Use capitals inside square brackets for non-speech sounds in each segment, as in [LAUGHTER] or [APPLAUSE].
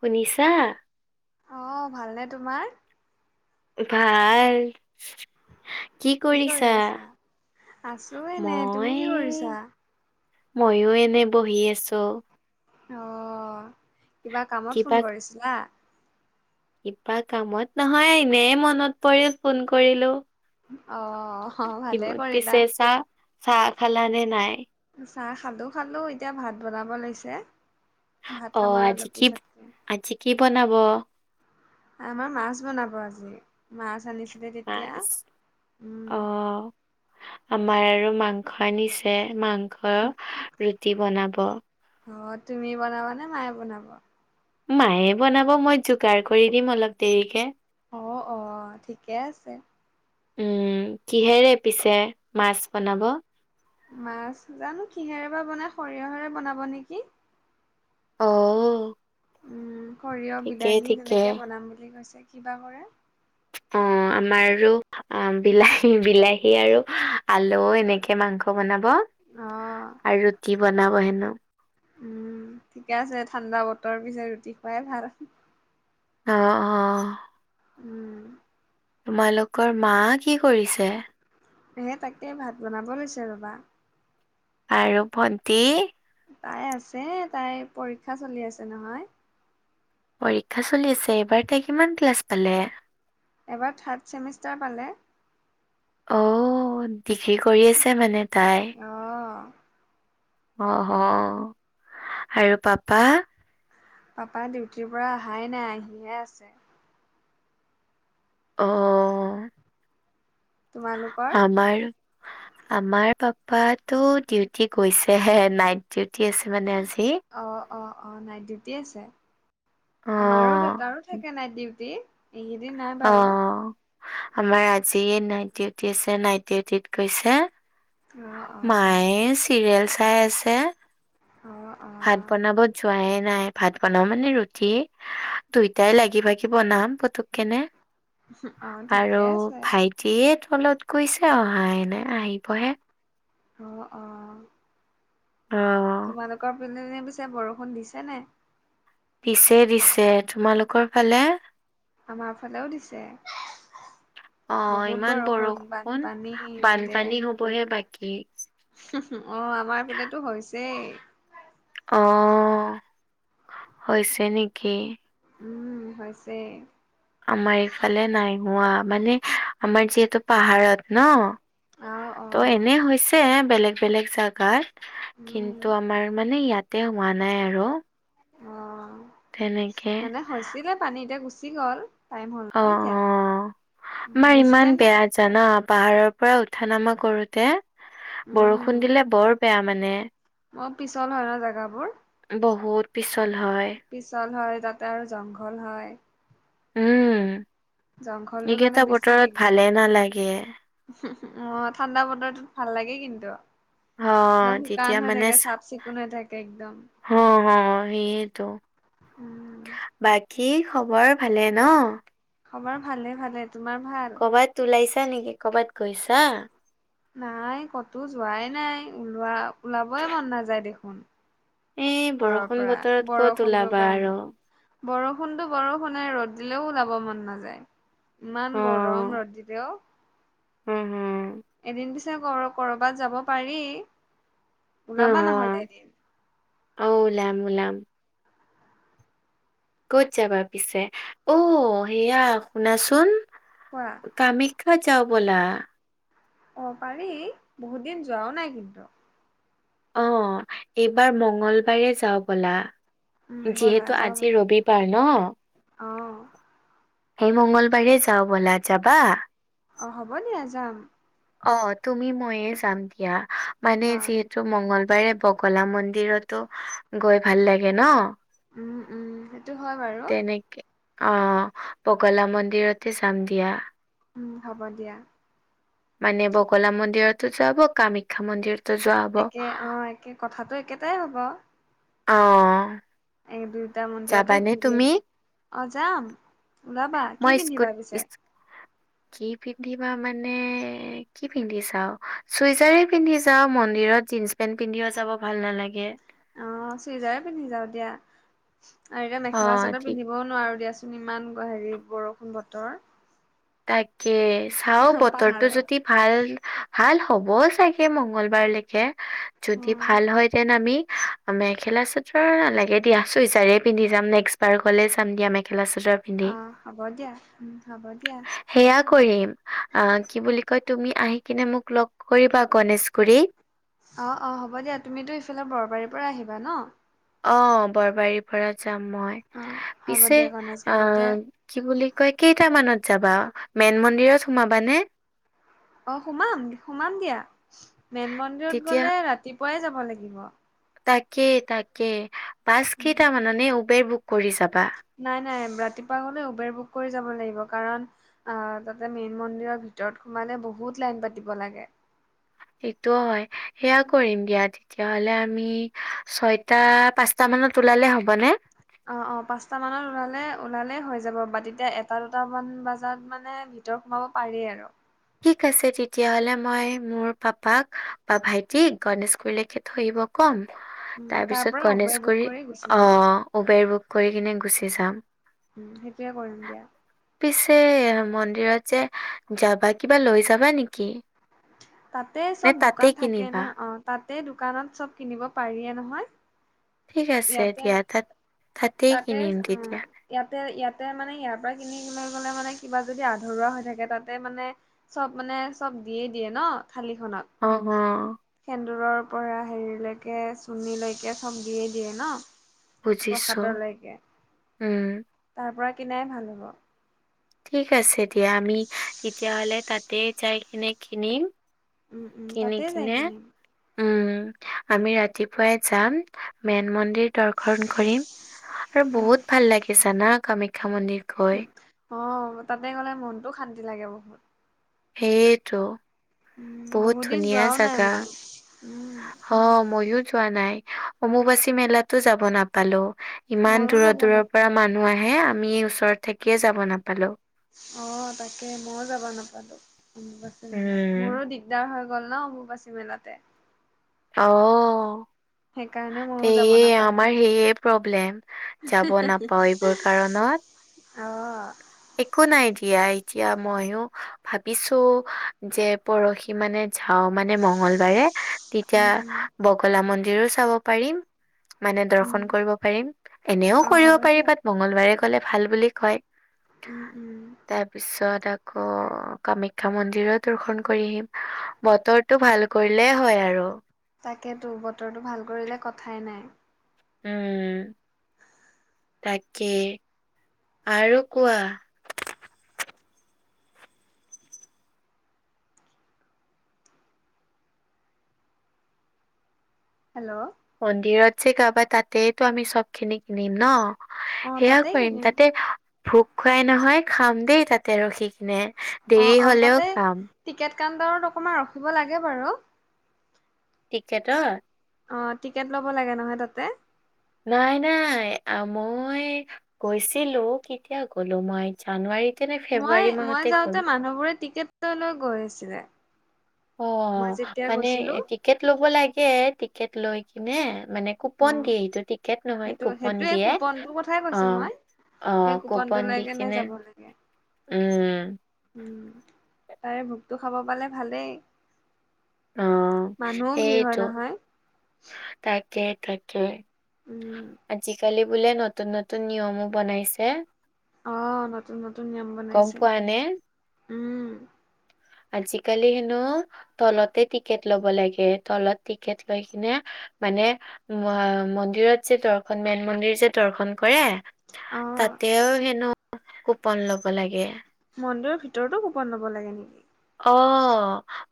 শুনিছা অ ভালনে তোমাৰ ভাল কি কৰি কৰিছা আছা? আছো এনে, তুমি মই কি কৰিছা? মইয়ো এনেই বহি আছো অ কিবা কামত কিবা ফোন কৰিছিলা কিবা কামত নহয় এনেই মনত পৰিল ফোন কৰিলো অ ভালে কিব- পিছে কৰিলা চাহ চাহ খালা নে নাই? চাহ খালোঁ খালোঁ এতিয়া ভাত বনাবো লৈছে ভাত অ খাম আৰু আজি অলপ কি পিছতকে। আজি কি বনাব আমাৰ মাছ বনাব আজি মাছ আনিছিলে তেতিয়া উম অহ আমাৰ আৰু মাংস আনিছে মাংস ৰুটি বনাব অ তুমি বনাবানে মায়ে বনাব মায়ে বনাব মই যোগাৰ কৰি দিম অলপ দেৰিকে অ অ ঠিকে আছে উম কিহেৰে পিছে মাছ বনাব মাছ জানো কিহেৰে বা বনাই সৰিয়হৰে বনাব নেকি অহ ও উম সৰিয়হ বিলাহী ঠিকেই তেনেকে বনাম বুলি কৈছে কিবা কৰে অ আমাৰ আৰু অ বিলাহী বিলাহী আৰু আলু এনেকে মাংস বনাব অ আৰু ৰুটি বনাব হেনো উম ঠিকে আছে ঠাণ্ডা বতৰ পিছে ৰুটি খুৱাই ভাল অ অ উম! তোমালোকৰ মা কি কৰিছে? হে তাকে ভাত বনাব লৈছে ৰ'বা আৰু ভণ্টি তাই আছে তাই পৰীক্ষা চলি আছে নহয়। পৰীক্ষা চলি আছে এইবাৰ তাই কিমান ক্লাছ পালে। এবাৰ থাৰ্ড চেমিষ্টাৰ পালে। অ ডিগ্ৰী কৰি আছে মানে তাই অঁ অহ আৰু পাপা পাপা ডিউটিৰ পৰা অহাই নাই আহিহে আছে অ তোমালোকৰ? আমাৰ আমাৰ পাপাতটো ডিউটি গৈছেহে নাইট ডিউটি আছে মানে আজি অ অ অ নাইট ডিউটি আছে আমাৰো অ', দেউতাৰো থাকে নাইট ডিউটি এইকেইদিন নাই অ বাৰু আমাৰ আজি নাইট ডিউটি আছে নাইট ডিউটিত গৈছে। অ', অ'। মায়ে চিৰিয়েল চাই আছে। অঁ ভাত বনাব যোৱাই নাই ভাত বনাও মানে ৰুটি দুইটাই লাগি ভাগি বনাম পতুকণেকেনে অ', ঠিকে আৰু আছে ভাইটি দিয়ে তলত গৈছে অহা নাই আহিবহে অ অ, অ, তোমালোকৰ পীনে পিছে বৰষুণ দিছে নে দিছে দিছে তোমালোকৰ ফালে? আমাৰ ফালেও দিছে। অ', বহুত ইমান বৰষুণ বানপানী গোটেই। পঢ়ীয়া পাকি অ আমাৰ ফালতো হৈছেই। অ হৈছে নেকি। উম, হৈছে আমাৰ ইফালে নাই হোৱা মানে আমাৰ যিহেতু পাহাৰত ন। অ অ, ত এনে হৈছে বেলেগ বেলেগ জাগাত উম কিন্তু আমাৰ মানে ইয়াত। তেতিয়া হোৱা নাই আৰু অ তেনেকে মানে হৈছিলে পানী এতিয়া গুচি গ'ল। টাইম হ'ল অ অ ন এতিয়া উম আমাৰ বেছি ইমান টাইম বেয়া নাথাকে জানা পাহাৰৰ পৰা উঠা নামা কৰোতে উম বৰষুণ দিলে বৰ বেয়া মানে মই পিছল হয় ন জেগাবোৰ বহুত পিছল হয়, পিছল হয় তাতে আৰু জংঘল হয়। উম জংঘলটোৰ কাৰণে এইকেইটা বেছি বতৰত দিগদাৰ ভালে নালাগে। অ ঠাণ্ডা বতৰত ভাল লাগে কিন্তু অ একদম শুকান তেতিয়া হৈ থাকে চাফ চিকুণ হৈ থাকে একদম অ হয় সেইয়েটো উম বাকী খবৰ ভালে ন? খবৰ ভালে ভালে। তোমাৰ ভাল? কবাত ওলাইছা নেকি কবাত গৈছা? নাই কতো যোৱাই নাই ওলোৱা ওলাবই মন নাযায় দেখোন। এই ঘৰৰ বৰষুণ পৰা বতৰত ক'ত বৰষুণটোৰ ওলাবা আৰু কাৰণে। বৰষুণতো বৰষুণে ৰ'দ দিলেও ওলাব মন নাযায়। ইমান অ গৰম ৰ'দ দিলেও। উ হু। এদিন পিছে কৰ ক'ৰবাত যাব পাৰি হুম ওলাবা নহ'লে হুম এদিন? অ ওলাম ওলাম। ক'ত যাবা পিছে, অ সেয়া শুনাচোন? কোৱা? কামাখ্যা যাওঁ ব'লা। অ পাৰি বহুত দিন যোৱাও নাই কিন্তু। অ এইবাৰ মঙ্গলবাৰে যাওঁ বলা। উম ব'লা যিহেতু যাওঁ আজি ব'লা। ৰবিবাৰ ন। অ সেই মংগলবাৰে যাও বলা, যাবা? অ হ'ব দিয়া যাম। অ তুমি ময়ে যাম দিয়া মানে অ যিহেত- থু মংগলবাৰে বগলা মন্দিৰতো গৈ ভাল লাগে ন। উম উম সেইটো হয় বাৰু তেনেকে অ বগলা মন্দিৰতে যাম দিয়া। উম হ'ব দিয়া। মানে বগলা মন্দিৰতো যাব কামাখ্যা মন্দিৰত একে অ একে কথাটো একেটাই হ'ব। অ। এই দুইটা মন্দিৰতে যাবানে ঘূৰি তুমি? আহিম। অ যাম ওলাবা, মই কি স্কুট পিন্ধিবা পিছে? ইচ- কি পিন্ধিবা মানে কি পিন্ধি চাও, চুইজাৰে পিন্ধি যাও মন্দিৰত জীন্চ পেন্ট পিন্ধিয় যাব ভাল নালাগে। অ চুইজাৰে পিন্ধি যাও দিয়া আৰু এতিয়া মেখেলা অ', চাদৰ ঠিক পিন্ধিব ক'ব নোৱাৰোঁ দিয়াচোন ইমান হেৰি বৰষুণ বতৰ। তাকে চাও বতৰটো পাহাৰৰ যদি ভাল ভাল হ'বও চাগে মংগলবাৰলৈকে। যদি উম ভাল হয় তেন আমি মেখেলা চাদৰ নালাগে দিয়া চুইজাৰে পিন্ধি যাম নেক্সট বাৰ গলে যাম দিয়া মেখেলা চাদৰ পিন্ধি অ হ'ব দিয়া, উ হ'ব দিয়া। সেয়া কৰিম, আ কি বুলি কয় তুমি আহি কিনে মোক লগ কৰিবা গণেশগুৰিত। অ অ হ'ব দিয়া তুমিতো ইফালে বৰবাৰীৰ পৰা আহিবা ন? অ বৰবাৰীৰ পৰা যাম মই, অ হ'ব পিছে দিয়া গণেশগুৰিতে আহ কি বুলি কয় কেইটামানত যাবা মেন মন্দিৰত সোমাবানে? অ সোমাম সোমাম দিয়া মেন মন্দিৰত তেতিয়া গলে ৰাতিপুৱাই যাব লাগিব। তাকে তাকে বাছ কেইটা মান নে উবেৰ বুক কৰি যাবা? নাই নাই ৰাতিপুৱা গ'লে উবেৰ বুক কৰি যাব লাগিব কাৰণ আহ তাতে মেইন মন্দিৰৰ ভিতৰত সোমালে বহুত লাইন পাতিব লাগে। সেটোও হয়, সেয়া কৰিম দিয়া তেতিয়াহ'লে আমি ছয়টা, পাঁচটা মানত ওলালে হ'বনে? অ অ, পাঁচটা মানত ওলালে ওলালে হৈ যাব, বাট তেতিয়া এটা দুটামান বজাত মানে ভিতৰ সোমাব পাৰি আৰু। ঠিক আছে তেতিয়াহলে, মই মোৰ পাপাক বা ভাইটিক গণেশগুৰিলৈকে থৈ আহিব কম, উম তাৰ তাৰপিছত পৰা উবেৰ বুক কৰি গুচি গনেশগুৰিত অ যাম উবেৰ বুক কৰি কিনে গুচি যাম। উম। সেইটোয়ে কৰিম দিয়া। পিছে মন্দিৰত যে যাবা কিবা লৈ যাবা নেকি? তাতে নে চব দোকান তাতেই থাকে ন? কিনিবা অ তাতে দোকানত চব কিনিব পাৰিয়ে নহয়? ঠিক আছে ইয়াতে দিয়া, তাত তাতেই তাতে কিনিম উম তেতিয়া। ইয়াতে ইয়াতে মানে ইয়াৰ পৰা কিনি লৈ গলে, মানে কিবা যদি আধৰুৱা হৈ থাকে তাতে মানে চব মানে চব দিয়ে দিয়ে ন থালিখনত অহ সেন্দুৰৰ পৰা হেৰিলৈকে চুমীলৈকে চব দিয়ে ন? বুজিছোঁ, প্ৰসাদলৈকে, উম, তাৰ পৰা কিনাই ভাল হ'ব। ঠিক আছে দিয়া আমি তেতিয়াহ'লে তাতে যাই কিনে কিনিম। উম উম কিনি তাতে যাই কিনে কিনিম উম, আমি ৰাতিপুৱাই যাম মেন মন্দিৰ দৰ্শন কৰিম, আৰু উম বহুত ভাল লাগি জানা কামাখ্যা মন্দিৰ? গৈ, অ তাতে গ'লে মনটোও শান্তি লাগে বহুত। সেইটো, উম বহুত দিন ধুনীয়া যোৱাও নাই জাগা। মই উম অ মইও যোৱা নাই, অমুবাচী মেলাতো যাব নাপালো। ইমান ময়ো দূৰৰ যাব দূৰৰ পৰা নাপালো মানুহ আহে আমি এই ওচৰত থাকিয়ে যাব নাপালো। অ, তাকে মইও যাব নাপালো, উম, মোৰো দি দিগদাৰ হৈ গ'ল অম্বুবাচী মেলাতে। অ, সেইকাৰণে ময়ো যাব সেয়ে নাপালোঁ। আমাৰ সেয়ে প্ৰব্লেম। যাব নাপাও এইবোৰ কাৰনত। অ একো নাই দিয়া, এতিয়া মইও ভাবিছো যে পৰহি মানে যাওঁ মানে মঙগলবাৰে তেতিয়া, উম, উম, বগলা মন্দিৰো চাব পাৰিম মানে দৰ্শন উম, কৰিব পাৰিম, এনেও অ', কৰিব হ'ব পাৰি দিয়া। বাত মংগলবাৰে গ'লে ভাল বুলি কয়। উম উম তাৰ পিছত আকৌ কামাখ্যা মন্দিৰো দৰ্শন কৰি আহিম। বতৰটো ভাল কৰিলে হয় আৰু। তাকেতো, বতৰটো ভাল কৰিলে কথাই নাই। উম তাকে, আৰু কোৱা? হেল্লো' মন্দিৰত যে পাবা তাতেতো আমি চব খিনি কিনিম ন? অ', সেয়া তাতেই কৰিম কিনিম তাতে ভোক খুৱাই নহয় খাম দেই তাতে ৰখি কিনে। অ দেৰি অ, হলেও তাতে খাম টিকেট কাউণ্টাৰত অকমান ৰখিব লাগে বাৰু। ঠিকেটত? অ টিকেট ল'ব লাগে নহয় তাতে? নাই নাই, মই গৈছিলো কেতিয়া গলো মই জানুৱাৰীতে নে মই ফেব্ৰুৱাৰী মই মাহতে যাওঁতে গ'লো মানুহবোৰে টিকেটলৈ গৈ আছিলে। অ মই যেতিয়া মানে গৈছিলো। টিকেট ল'ব লাগে, টিকেট লৈ কিনে মানে কুপন অ'। দিয়ে সেইটো টিকেট নহয় সেইটো কুপন সেইটোৱে দিয়ে কুপনটোৰ কথাই অ। কৈছো মই অ সেই কুপনটো কপন লৈ দি কেনে কিনে যাব লাগে। উম। উম তাৰে ভোকতটো খাব পালে ভালেই। অ মানুহও ভিৰ হয় সেইটো নহয়। তাকে তাকে। উম আজিকালি বোলে নতুন নতুন নিয়মো বনাইছে। আহ নতুন নতুন নিয়ম গম বনাইছে পোৱা নে উম। আজিকালি হেনো, তলতে টিকেট ল'ব লাগে। তলত টিকেট লৈ কিনে মানে ম-মন্দিৰত যে দৰ্শন মেইন মন্দিৰ যে দৰ্শন কৰে, অ তাতেও হেনো কুপন লব লাগে। মন্দিৰৰ ভিতৰতো কোপন লব লাগে নেকি? অ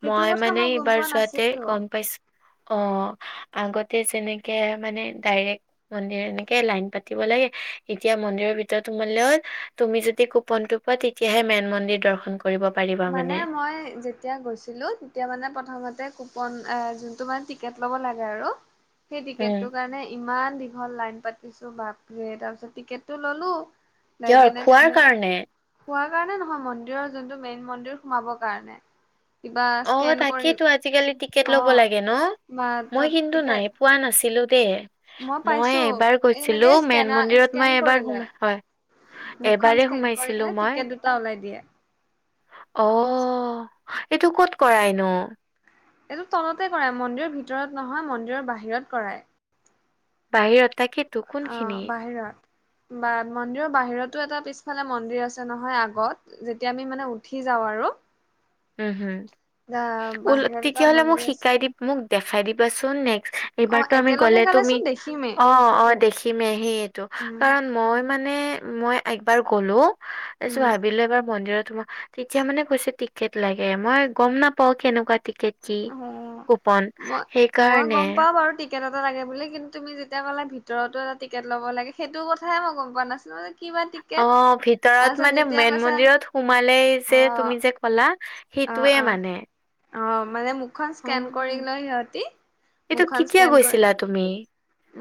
সেইটো মই কথা মানে গম ইবাৰ পোৱা যোৱাতে নাছিলো। গম পাইছো, অ। আগতে যেনেকে মানে ডাইৰেক মন্দিৰ এনেকে লাইন পাতিব লাগে, এতিয়া মন্দিৰৰ ভিতৰত সোমালৈ তুমি যদি কুপনটো পোৱা তেতিয়াহে মেন মন্দিৰ দৰ্শন কৰ কৰিব পাৰি মানে মই যেত যেতিয়া গৈছিলো, তেতিয়া মানে প্ৰথমতে কুপন এ যোনটো মানে টিকেট ল'ব লাগে আৰু সেই উম, টিকেটটোৰ কাৰণে ইমান দীঘল লাইন পাতিছো বাপৰে, তাৰপিছত টিকেটটো ললো [UNINTELLIGIBLE] কিহৰ কাৰণে? খোৱাৰ কাৰণে নহয়, মন্দিৰৰ যোনটো মেইন মন্দিৰ সোমাবৰ কাৰণে। কিবা অ স্কেন কৰি তাকেইতো আজিকালি টিকেট ল'ব অ' লাগে ন। মা মই তাত কিন্তু নাই টিকেট পোৱা নাছিলো দেই। মই এইবাৰ গৈছিলো, এনেকে মেন স্কেনাৰ মন্দিৰত মই স্কেন এইবাৰ কৰি সোমা, লয়। হয়। মুখখন এবাৰে স্কেন কৰি সোমাইছিলো কিনে মই। টিকেট দুটা ওলাই দিয়ে। অ সেইটো ক'ত কৰায় নো? এইটো তলতে কৰায়, মন্দিৰৰ ভিতৰত নহয় মন্দিৰৰ বাহিৰত কৰায়। বাহিৰত, তাকেতো অ' কোনখিনিত? বাহিৰত। বা মন্দিৰৰ বাহিৰতো এটা পিছফালে মন্দিৰ আছে নহয় আগত। যেতিয়া আমি মানে উঠি যাওঁ আৰু। উম হম দা বাহিৰত এটা উল-তেতিয়াহলে মোক মন্দিৰ আছে। শিকাই দি মোক দেখাই দিবাচোন নেক অ' এইবাৰতো আমি একেলগে গলে তুমি গালেচোন দেখিমেই অ অ দেখি। খিমে সেইয়েটো, উম, কাৰণ মই মানে মই একবাৰ গ'লো, তাৰ পিছত উম। ভাবিলো এবাৰ মন্দিৰত সোমা, তেতিয়া মানে কৈছে টি টিকেট লাগে, মই গম নাপাও কেনেকুৱা টিকেট কি অ', কুপন, মই মই সেইকাৰণে গম পাওঁ বাৰু টিকেট এটা লাগে বুলি। কিন্তু তুমি যেতিয়া ক'লা ভিতৰতো এটা টিকেট ল'ব লাগে, সেইটো কথাহে মই গম পোৱা নাছিলোঁ যে কিবা টি অ ভিতৰত মানে মেইন মন্দিৰত সোমালেই যে অ', তুমি যে কলা অ সেইটোৱে অ মানে অ মানে মুখখন অ স্কেন কৰি লয় সিহঁতি এইটো মুখখন কেতিয়া স্কেন কৰে গৈছিলা তুমি?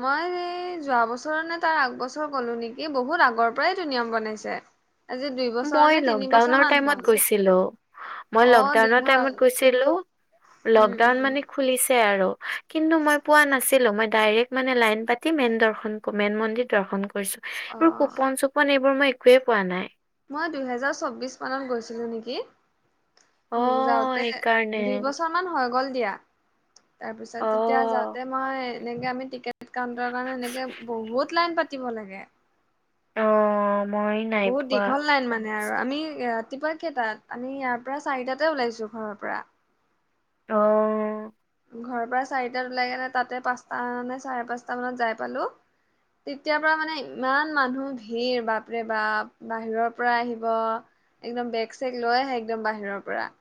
মই এই যোৱা বছৰ নে তাৰ আগবছৰ গলো নেকি, বহুত আগৰ পৰাই এইটো নিয়ম বনাইছে। আজি দুই বছৰ মই নে তিনি বছৰ লকডাউনৰ মান হ'ল। [UNINTELLIGIBLE] মই অ', লকডাউন দিন হ'ল টাইমত গৈছিলোঁ, উম, লকডাউন উম, মানে খুলিছে আৰু, কিন্তু মই পোৱা নাছি ছিলো, মই ডাইৰেক্ট মানে লাইন পাতি মেইন দৰ্শন মেইন মন্দিৰ দৰ্শন কৰিছো। এইবোৰ অ', কুপন-চুপ পন, এইবোৰ মই একোৱে পোৱা নাই। মই দুহেজাৰ চৌবিশ মানত গৈছিলোঁ নেকি? মোৰ অ' যাওঁতে সেইকাৰণে দুই বছৰ মান হৈ গ'ল দিয়া, তাৰ পিছত তেতিয়া অ' যাওঁতে মই এনেকে আমি টিকেট কাউণ্টাৰ কাৰণে এনেকে বহুত লাইন পাতিব লাগে। অ'। মই নাই বহুত পোৱা দীঘল লাইন মান নে আৰু আমি ৰাতিপুৱা কেইটাত আমি ইয়াৰ পৰা চাৰিটাতে ওলাইছোঁ ঘৰৰ পৰা। অ'। ঘৰৰ পৰা চাৰিটাত ওলাই কেনে তাতে পাঁচটা নে চাৰে পাঁচটা মানত যাই পালোঁ। তেতিয়াৰ পৰা মানে ইমান মানুহৰ ভিৰ, বাপৰে বাপ! বাহিৰৰ পৰা আহিব। একদম বেগ-চেগ লৈ আহে, একদম বাহিৰৰ পৰা।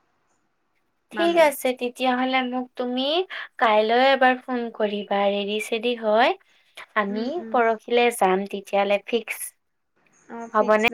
ঠিক মানুহ আছে তেত তেতিয়াহ'লে মোক তুমি কাইলৈ এবাৰ ফোন কৰিবা, ৰেডি-চেডি হৈ। আমি উম উম পৰহিলে যাম, তেতিয়াহ'লে ফিক্স। অ ফিক্স হ'বনে?